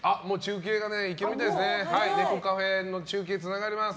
ネコカフェの中継つながります。